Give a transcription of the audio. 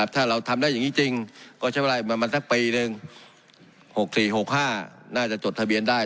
ถ้าเราทำได้อย่างนี้จริงก็ใช้เวลาประมาณสักปีหนึ่ง๖๔๖๕น่าจะจดทะเบียนได้